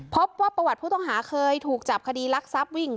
พบว่าประวัติผู้ต้องหาเคยถูกจับคดีรักทรัพย์วิ่ง